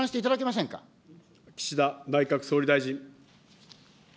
岸田内閣総理大臣。